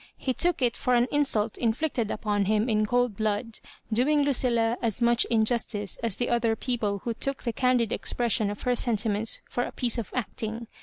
He took it for an insult inflicted upon him in cold blood, doing Lu cilia as mach injustice as the other people who took the candid expression of her sentiments for a piece of acting.